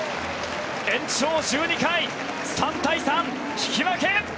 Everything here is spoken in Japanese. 延長１２回３対３、引き分け！